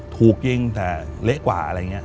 ถูกยิงแต่เละกว่าอะไรอย่างนี้